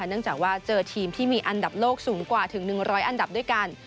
เนื่องจากว่าเจอทีมที่มีอันดับโลกสูงกว่าถึง๑๐๐อันดับด้วยกัน